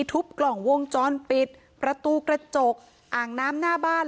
กล่องวงจรปิดประตูกระจกอ่างน้ำหน้าบ้าน